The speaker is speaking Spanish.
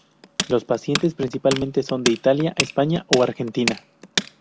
Los pacientes principalmente son de Italia, España, o Argentina.